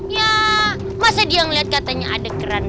ya masih dia ngeliat katanya ada keranda